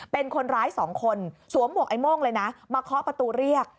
เป็นคนร้ายสองคนสวมหมวกไอ้โม่งเลยนะมาเคาะประตูเรียก